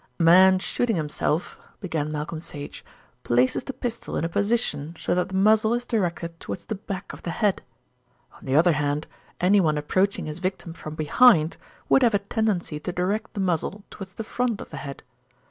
"A man shooting himself," began Malcolm Sage, "places the pistol in a position so that the muzzle is directed towards the back of the head. On the other hand, anyone approaching his victim from behind would have a tendency to direct the muzzle towards the front of the head.